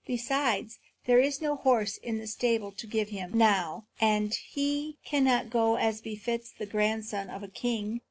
Besides, there is no horse in the stable to give him, now, and he cannot go as befits the grandson of a king."